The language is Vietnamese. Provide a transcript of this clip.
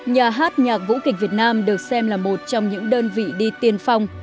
nhà hát nhạc vũ kịch việt nam được xem là một trong những đơn vị đi tiên phong